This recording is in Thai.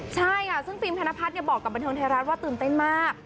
ใช่ค่ะซึ่งฟิล์มธนพัฒน์บอกกับบันเทิงไทยรัฐว่าตื่นเต้นมาก